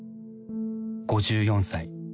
５４歳。